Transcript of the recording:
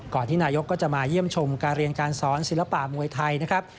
ที่นายกก็จะมาเยี่ยมชมการเรียนการสอนศิลปะมวยไทยนะครับ